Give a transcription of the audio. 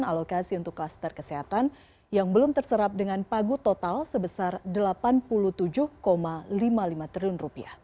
alokasi untuk kluster kesehatan yang belum terserap dengan pagu total sebesar rp delapan puluh tujuh lima puluh lima triliun